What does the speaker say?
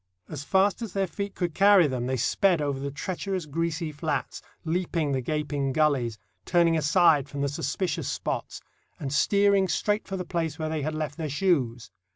As fast as their feet could carry them they sped over the treacherous greasy flats, leaping the gaping gullies, turning aside from the suspicious spots, and steering straight for the place where they had left their shoes.